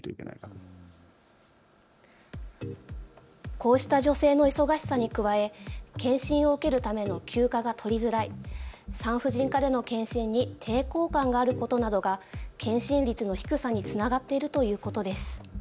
こうした女性の忙しさに加え検診を受けるための休暇が取りづらい、産婦人科での検診に抵抗感があることなどが検診率の低さにつながっているということです。